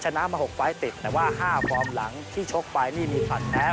มา๖ไฟล์ติดแต่ว่า๕ฟอร์มหลังที่ชกไปนี่มีผลัดแพ้